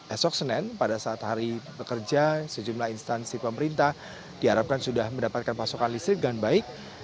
esok senin pada saat hari pekerja sejumlah instansi pemerintah diharapkan sudah mendapatkan pasokan listrik dengan baik